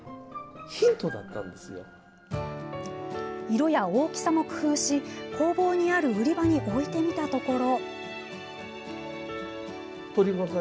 色や大きさも工夫し工房にある売り場に置いてみたところ。